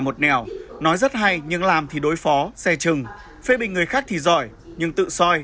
một nẻo nói rất hay nhưng làm thì đối phó xe chừng phê bình người khác thì giỏi nhưng tự soi